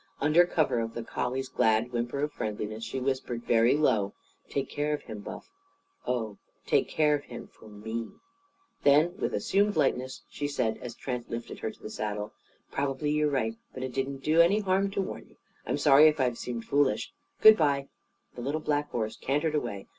Under cover of the collie's glad whimper of friendliness she whispered very low: "Take care of him, Buff! Oh, take care of him for me." Then, with assumed lightness, she said, as Trent lifted her to the saddle: "Probably you're right. But it didn't do any harm to warn you. I'm sorry if I've seemed foolish. Good bye!" The little black horse cantered away.